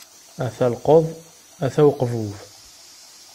Ata llqeḍ, ata uqbub.